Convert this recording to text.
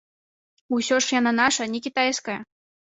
Усё ж яна наша, не кітайская.